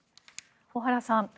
小原さん